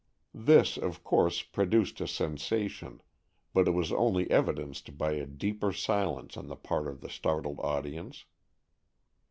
This, of course, produced a sensation, but it was only evidenced by a deeper silence on the part of the startled audience.